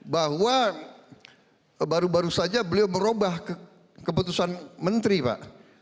bahwa baru baru saja beliau merubah keputusan menteri pak